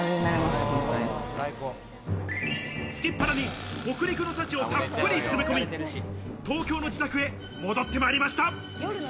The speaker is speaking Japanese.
すきっ腹に、北陸の幸をたっぷり詰め込み、東京の自宅へ戻って参りました。